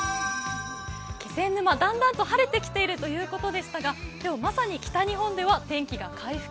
気仙沼、だんだんと晴れてきているということでしたが今日まさに北日本では天気が回復。